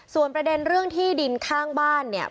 ส่วนประเด็นเรื่องที่ดินข้างบ้านเนี่ย